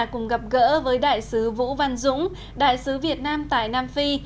cùng gặp gỡ với đại sứ vũ văn dũng đại sứ việt nam tại nam phi